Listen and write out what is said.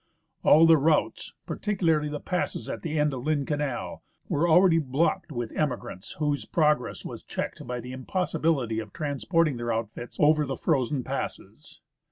All the routes, and par ticularly the passes at the end of Lynn Canal, were already blocked with emigrants whose progress was checked by the impossibility of transporting their outfits over the frozen passes.